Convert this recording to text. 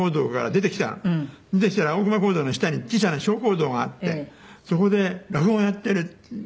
出てきたら大隈講堂の下に小さな小講堂あってそこで落語やっているっていう。